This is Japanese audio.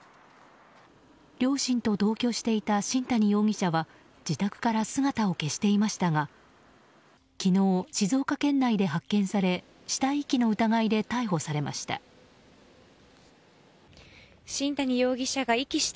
両親と同居していた新谷容疑者は自宅から姿を消していましたが昨日、静岡県内で発見され死体遺棄の疑いで逮捕されました。